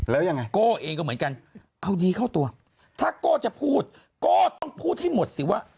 แล้วยังไงโก้เองก็เหมือนกันเอาดีเข้าตัวถ้าโก้จะพูดก็ต้องพูดให้หมดสิว่า